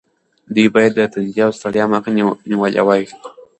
دوی باید د تندې او ستړیا مخه نیولې وای.